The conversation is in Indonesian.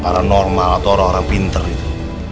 paranormal atau orang orang pintar gitu